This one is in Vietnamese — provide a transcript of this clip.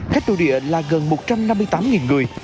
khách đô địa là gần một trăm năm mươi tám người